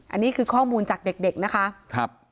อันนี้คือข้อมูลจากเด็กนะคะ